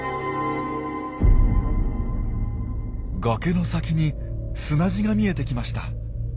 崖の先に砂地が見えてきました。